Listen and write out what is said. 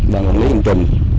đoàn quản lý dân trình